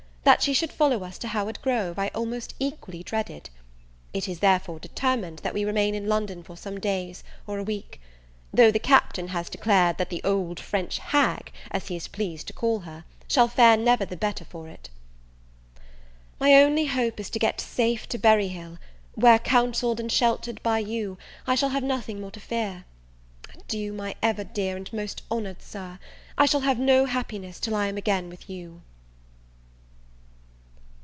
That she should follow us to Howard Grove, I almost equally dreaded. It is therefore determined, that we remain in London for some days, or a week: though the Captain has declared that the old French hag, as he is pleased to call her, shall fare never the better for it. My only hope is to get safe to Berry Hill; where, counselled and sheltered by you, I shall have nothing more to fear. Adieu, my ever dear and most honoured Sir! I shall have no happiness till I am again with you.